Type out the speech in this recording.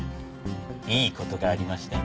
いい事がありましたね？